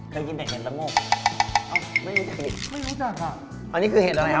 เคยกินแห่งเห็ดสมโมค